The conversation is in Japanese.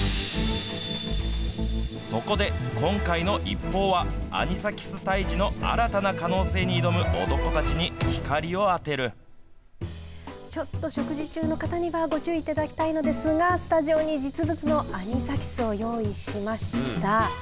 そこで、今回のＩＰＰＯＵはアニサキス退治の新たな可能性に挑む男たちにちょっと食事中の方にはご注意いただきたいのですがスタジオに実物のアニサキスを用意しました。